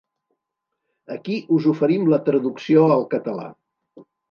Aquí us oferim la traducció al català.